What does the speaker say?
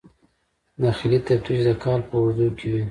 داخلي تفتیش د کال په اوږدو کې وي.